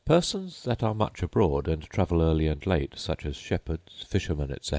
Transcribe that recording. Persons that are much abroad, and travel early and late, such as shepherds, fishermen, etc.